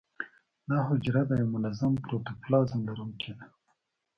دا حجره د یو منظم پروتوپلازم لرونکې ده.